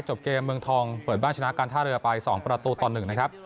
จบเกมเมืองทองเปิดบ้านชนะการท่าเรือไป๒ประตูต่อ๑นะครับ